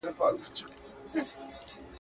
پښتو ښايي تفاهم زیات کړي.